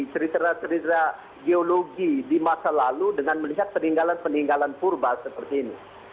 cerita cerita geologi di masa lalu dengan melihat peninggalan peninggalan purba seperti ini